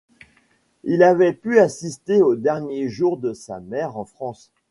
Il avait pu assister aux derniers jours de sa mère en France.